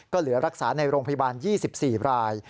ก็เหลือรักษาในโรงพยาบาล๒๔ราย